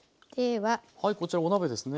はいこちらお鍋ですね。